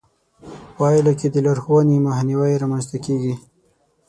پايله کې د لارښوونې مخنيوی رامنځته کېږي.